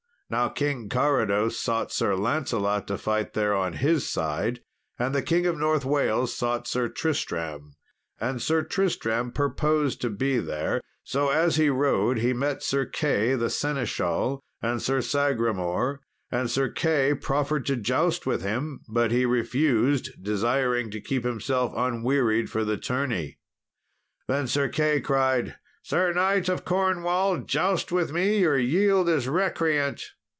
Now King Carados sought Sir Lancelot to fight there on his side, and the King of North Wales sought Sir Tristram. And Sir Tristram purposed to be there. So as he rode, he met Sir Key, the seneschal, and Sir Sagramour, and Sir Key proffered to joust with him. But he refused, desiring to keep himself unwearied for the tourney. Then Sir Key cried, "Sir knight of Cornwall, joust with me, or yield as recreant."